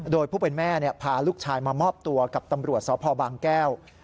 โดยผู้เป็นแม่พาลูกชายมามอบตัวกับตำรวจสพบางแก้ว